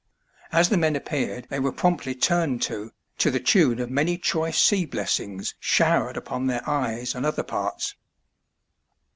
As the men appeared they were promptly turned to " to the tune of many choice sea blessings showered upon their eyes and other parts.